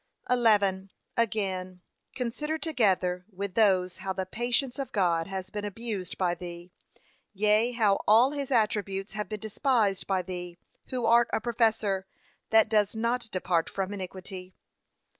11. Again, consider together with those how the patience of God has been abused by thee; yea, how all his attributes have been despised by thee, who art a professor, that does not depart from iniquity.